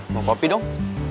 mau kopi dong